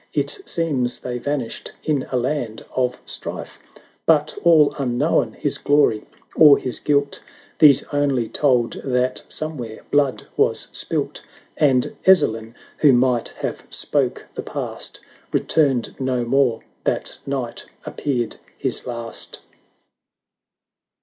It seems they vanished in a land of strife; 11 90 But all unknown his Glory or his Guilt, These only told that somewhere blood was spilt, And Ezzelin, who might have spoke the past. Returned no more — that night ap peared his last.